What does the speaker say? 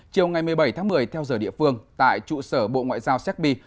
chiều ngày một mươi bảy tháng một mươi theo giờ địa phương tại trụ sở bộ ngoại giao séc bi